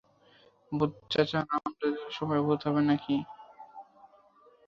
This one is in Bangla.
ভূত চাচা, রাম লিলার সময় ভূত হবে নাকি?